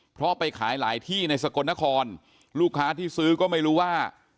เพราะไปขายหลายที่ในสกลนครลูกค้าที่ซื้อก็ไม่รู้ว่า